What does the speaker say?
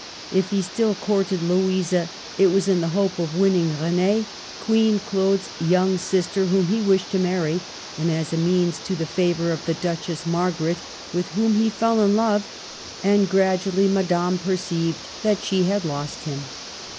If he still courted Louisa, it was in the hope of winning Renee, Queen Claude's young sister, whom he wished to marry, and as a means to the favor of the Duchess Margaret, with whom he fell in love; and gradually Ma dame perceived that she had lost him.